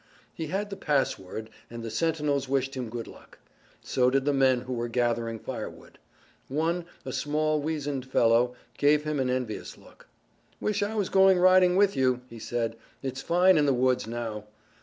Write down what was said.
He had the password, and the sentinels wished him good luck. So did the men who were gathering firewood. One, a small, weazened fellow, gave him an envious look. "Wish I was going riding with you," he said. "It's fine in the woods now."